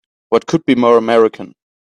What could be more American!